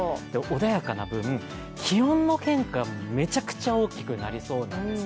穏やかな分、気温の変化がめちゃくちゃ大きくなりそうです。